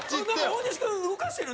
大西君動かしてる？